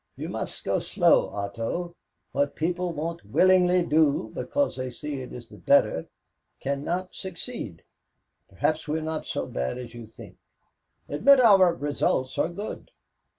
"You must go slow, Otto. What people won't willingly do because they see it is the better, cannot succeed. Perhaps we're not so bad as you think. Admit our results are good."